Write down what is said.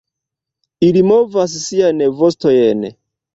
Ili movas siajn vostojn.